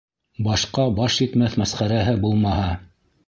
Башҡа баш етмәҫ мәсхәрәһе булмаһа...